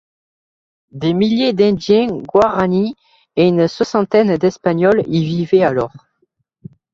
Des milliers d'indiens Guaraní et une soixantaine d'espagnols y vivaient alors.